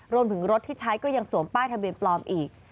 รวมถึงรถที่ใช้ก็ยังสวมป้ายทะเบียนปลอมอีก